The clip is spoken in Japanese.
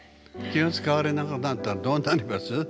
気をつかわれなくなったらどうなります？